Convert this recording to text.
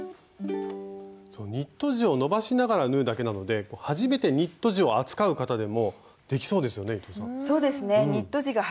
ニット地を伸ばしながら縫うだけなので初めてニット地を扱う方でもできそうですよね伊藤さん。